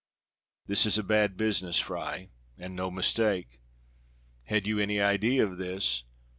"This is a bad business, Fry." "And no mistake." "Had you any idea of this?"